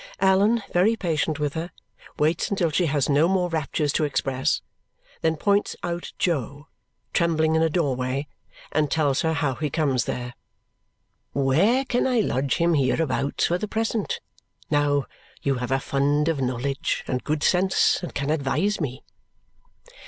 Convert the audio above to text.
Allan, very patient with her, waits until she has no more raptures to express, then points out Jo, trembling in a doorway, and tells her how he comes there. "Where can I lodge him hereabouts for the present? Now, you have a fund of knowledge and good sense and can advise me."